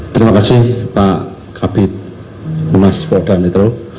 terima kasih pak kabit umas polda metru